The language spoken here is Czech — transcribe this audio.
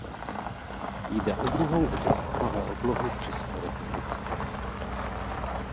Jde o druhou oblast tmavé oblohy v České republice.